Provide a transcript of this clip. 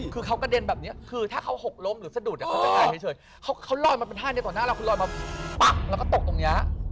คือเขากระเด็นแบบเนี้ยคือถ้าเขาหกล้มหรือสะดุดก็จะใกล้เฉย